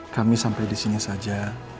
kami sampai disini saja